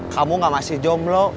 kamu gak masih jomblo